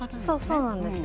そうなんですよ。